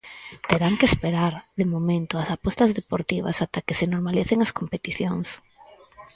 Terán que esperar, de momento, as apostas deportivas, ata que se normalicen as competicións.